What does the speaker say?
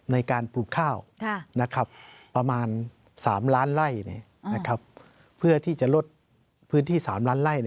ในการปลูกข้าวประมาณ๓ล้านไล่เพื่อที่จะลดพื้นที่๓ล้านไล่